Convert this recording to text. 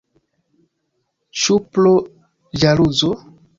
Ĉu pro ĵaluzo?